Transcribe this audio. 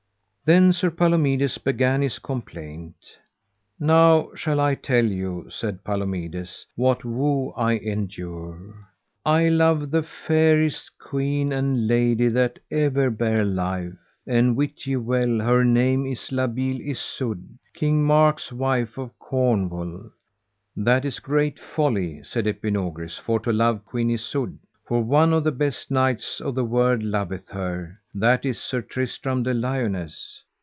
Then Sir Palomides began his complaint. Now shall I tell you, said Palomides, what woe I endure. I love the fairest queen and lady that ever bare life, and wit ye well her name is La Beale Isoud, King Mark's wife of Cornwall. That is great folly, said Epinogris, for to love Queen Isoud, for one of the best knights of the world loveth her, that is Sir Tristram de Liones.